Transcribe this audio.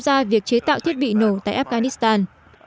ali đã tham gia việc chế tạo thiết bị nổ tại afghanistan